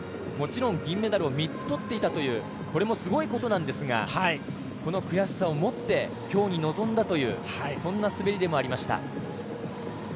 もちろん銀メダルを３つとっていたというこれもすごいことなんですがこの悔しさをもって今日に臨んだというそんな滑りでもありました。